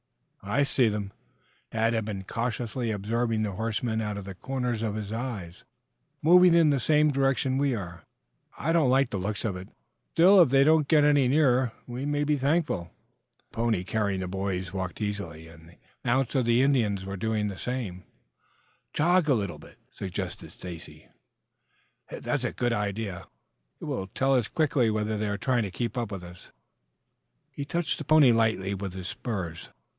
"I see them." Tad had been cautiously observing the horsemen out of the corners of his eyes. "Moving in the same direction we are. I don't like the looks of it. Still, if they don't get any nearer we may be thankful." The pony carrying the boys was walking easily, and the mounts of the Indians were doing the same. "Jog a little," suggested Stacy. "That's a good idea. It will tell us quickly whether they are trying to keep up with us." He touched the pony lightly with his spurs.